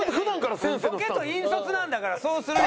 ボケと引率なんだからそうするでしょ。